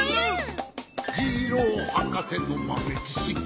「ジローはかせのまめちしき」